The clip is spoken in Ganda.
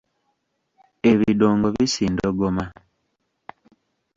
Ebidongo bisindogoma.